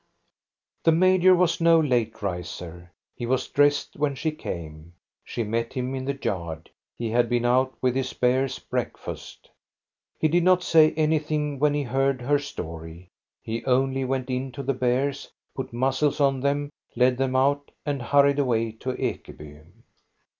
The major was no late riser ; he was dressed when she came. She met him in the yard ; he had been out with his bears' breakfast He did not say anything when he heard her story. He only went in to the bears, put muzzles on them, led them out, and hurried away to Ekeby.